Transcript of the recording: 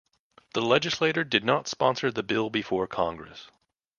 The legislator did not sponsor the bill before Congress.